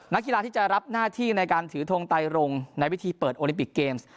นักกีฬาที่จะรับหน้าที่ในการถือทงไตรงในวิธีเปิดโอลิปิกเกมส์